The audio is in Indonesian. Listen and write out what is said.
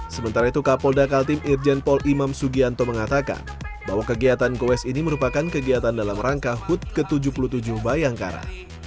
sementara itu kapolda kaltim irjen paul imam sugianto mengatakan bahwa kegiatan goes ini merupakan kegiatan dalam rangka hut ke tujuh puluh tujuh bayangkara